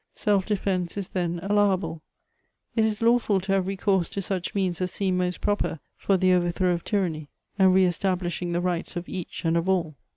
Self defence is, then, allowable : it is lawful to have recourse to such means as seem most proper for the overthrow of tyranny, and re estabhshing the rights of each and of all."